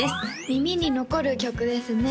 耳に残る曲ですね